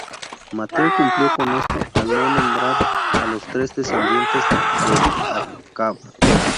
Mateo cumplió con esto al no nombrar a los tres descendientes de Acab.